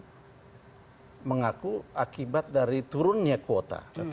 ya itu mengaku akibat dari turunnya kuota